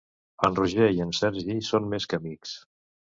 En Roger i en Sergi són més que amics.